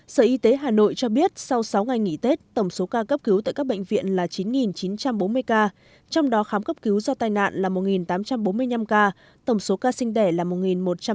sở y tế hà nội cho biết sau sáu ngày nghỉ tết tổng số ca cấp cứu tại các bệnh viện là chín chín trăm bốn mươi ca trong đó khám cấp cứu do tai nạn là một tám trăm bốn mươi năm ca tổng số ca sinh đẻ là một một trăm tám mươi ca